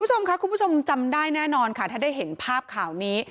คุณผู้ชมค่ะคุณผู้ชมจำได้แน่นอนค่ะถ้าได้เห็นภาพข่าวนี้